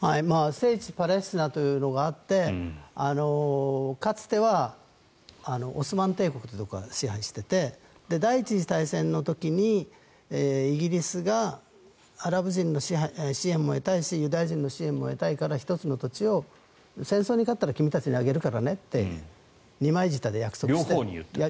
聖地パレスチナというのがあってかつてはオスマン帝国というところが支配していて第１次大戦の時に、イギリスがアラブ人の支援も得たいしユダヤ人の支援も得たいから１つの土地を戦争に勝ったら君たちにあげるからねって二枚舌で約束して。